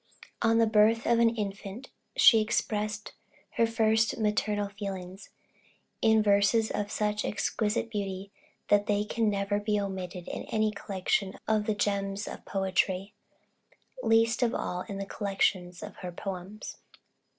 On the birth of an infant, she expressed her first maternal feelings, in verses of such exquisite beauty, that they can never be omitted in any collection of the gems of poetry least of all in any collection of her poems.